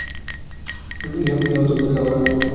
ইহা তাঁহার নিতান্ত অনুপযুক্ত কাজ।